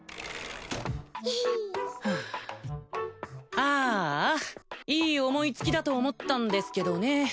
ヘヘふうああいい思いつきだと思ったんですけどね